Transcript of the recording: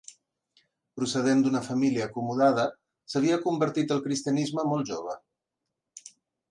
Procedent d'una família acomodada, s'havia convertit al cristianisme molt jove.